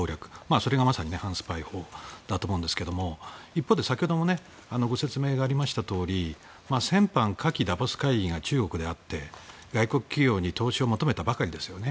それがまさに反スパイ法だと思うんですが一方で、先ほどもご説明がありましたとおり先般、夏期ダボス会議が中国であって外国企業に投資を求めたばかりですよね。